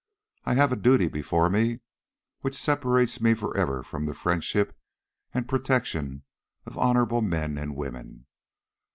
I have a duty before me which separates me forever from the friendship and protection of honorable men and women.